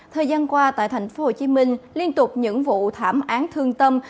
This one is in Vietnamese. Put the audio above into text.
thời gian qua tại thành phố hồ chí minh liên tục những vụ thảm án thương tâm